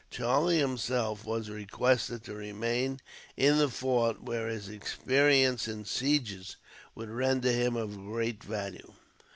Charlie himself was requested to remain in the fort, where his experience in sieges would render him of great value.